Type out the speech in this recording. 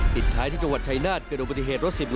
ปิดท้ายที่จังหวัดชายนาฏเกิดอุบัติเหตุรถ๑๐ล้อ